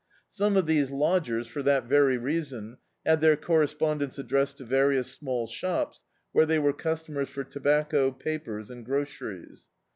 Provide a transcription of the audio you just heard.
Some of these lodgers, for that very reason, had their correspondence ad dressed to various small shops, where they were cus tomers for tobacco, papers, and groceries.